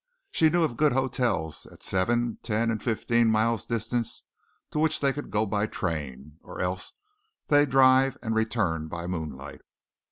She knew of good hotels at seven, ten, fifteen miles distance to which they could go by train, or else they drive and return by moonlight.